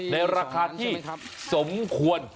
ในราคาที่สมควร